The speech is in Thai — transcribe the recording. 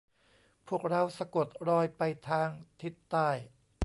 พวกเราสะกดรอยไปทางทิศใต้